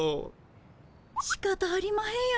しかたありまへんよ